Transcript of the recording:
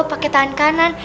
pakai tangan kanan